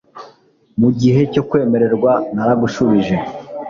mu gihe cyo kwemererwamo naragushubije